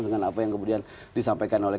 dengan apa yang kemudian disampaikan oleh